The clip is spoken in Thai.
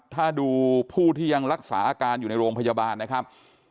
ถ้าดูผู้ที่ยังรักษาอาการอยู่ในโรงพยาบาลนะครับ